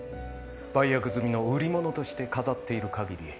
売約済みの売り物として飾っている限り